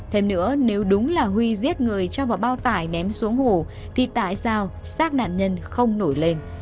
thêm nữa nếu đúng là huy giết người cho vào bao tải ném xuống ngủ thì tại sao xác nạn nhân không nổi lên